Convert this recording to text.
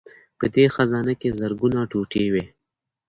په دې خزانه کې زرګونه ټوټې وې